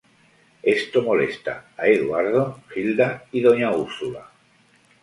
Esto molesta a Eduardo, Gilda y doña Úrsula.